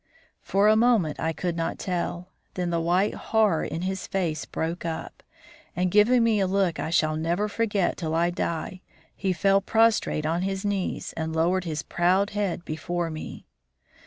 For a moment I could not tell; then the white horror in his face broke up, and, giving me a look I shall never forget till I die, he fell prostrate on his knees and lowered his proud head before me.